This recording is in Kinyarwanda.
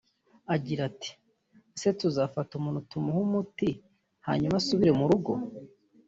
Agira ati “…ese tuzafata umuntu tumuhe umuti hanyuma asubire mu rugo